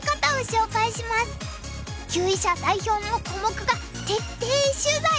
級位者代表のコモクが徹底取材。